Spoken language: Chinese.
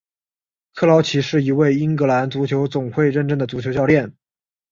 克劳奇是一位英格兰足球总会认证的足球教练。